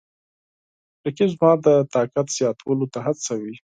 رقیب زما د طاقت زیاتولو ته هڅوي